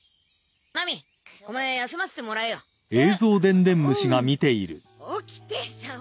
ナミお前休ませてもらえよえっうん起きてシャオ